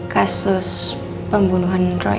kasus pembunuhan roy ya